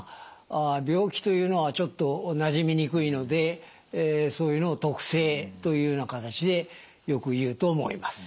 病気と言うのはちょっとなじみにくいのでそういうのを特性というような形でよく言うと思います。